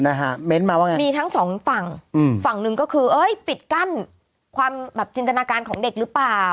นะฮะเม้นต์มาว่าไงมีทั้งสองฝั่งอืมฝั่งหนึ่งก็คือเอ้ยปิดกั้นความแบบจินตนาการของเด็กหรือเปล่า